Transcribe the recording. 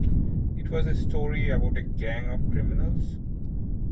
It was a story about a gang of criminals.